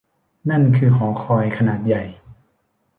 นั่นคือหอคอยขนาดใหญ่ !